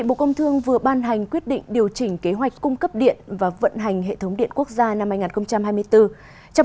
bộ công thương vừa ban hành quyết định điều chỉnh kế hoạch cung cấp điện và vận hành hệ thống điện quốc gia năm hai nghìn hai mươi bốn